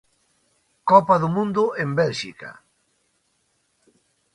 Copa do Mundo en Bélxica.